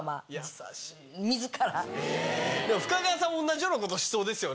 深川さんも同じようなことしそうですよね。